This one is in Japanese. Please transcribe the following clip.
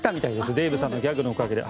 デーブさんのギャグのおかげで。